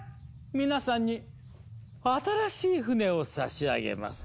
皆さんに新しい船を差し上げます。